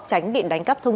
tránh bị đánh cắp thuốc